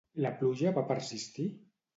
La pluja va persistir?